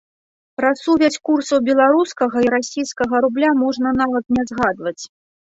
Пра сувязь курсаў беларускага і расійскага рубля можна нават не згадваць.